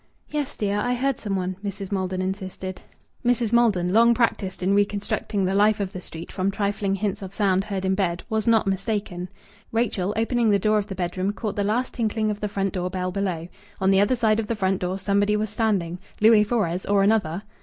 "Yes, dear; I heard some one," Mrs. Maldon insisted. Mrs. Maldon, long practised in reconstructing the life of the street from trifling hints of sound heard in bed, was not mistaken. Rachel, opening the door of the bedroom, caught the last tinkling of the front door bell below. On the other side of the front door somebody was standing Louis Fores, or another!